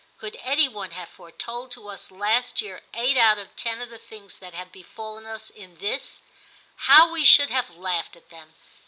Could any one have foretold to us last year eight out of ten of the things that have be fallen us in this, how we should have laughed at them